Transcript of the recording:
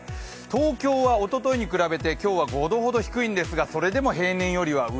東京はおとといに比べて今日は５度ほど低いんですが、それでも平年よりも上。